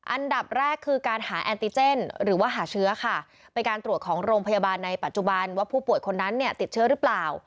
อันดับแรกคือการหาแอนติเจนหรือว่าหาเชื้อค่ะเป็นการตรวจของโรงพยาบาลในปัจจุบันว่าผู้ป่วยคนนั้นเนี่ยติดเชื้อหรือเปล่า